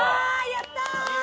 やったー！